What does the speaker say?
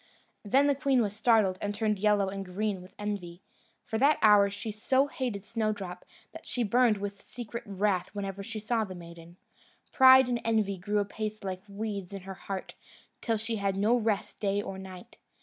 Then the queen was startled, and turned yellow and green with envy. From that hour she so hated Snowdrop, that she burned with secret wrath whenever she saw the maiden. Pride and envy grew apace like weeds in her heart, till she had no rest day or night.